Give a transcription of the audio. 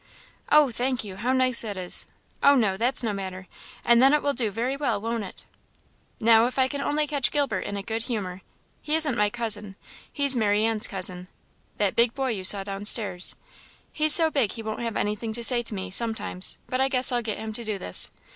"Oh, thank you; how nice that is! Oh no, that's no matter. And then it will do very well, won't it? Now, if I can only catch Gilbert in a good humour he isn't my cousin he's Marianne's cousin that big boy you saw down stairs he's so big he won't have anything to say to me, sometimes, but I guess I'll get him to do this.